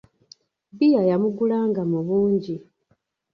Bbiya yamugulanga mu bungi.